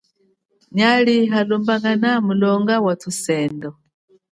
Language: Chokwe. Nyali halumbangana mulonga wathusendo.